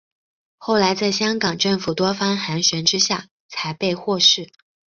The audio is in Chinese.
后来在香港政府多方斡旋之下才被获释。